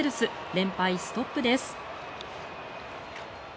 連敗ストップです。